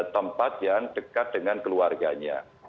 tempat yang dekat dengan keluarganya